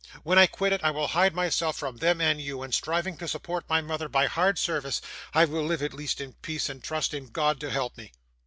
When I quit it, I will hide myself from them and you, and, striving to support my mother by hard service, I will live, at least, in peace, and trust in God to help me.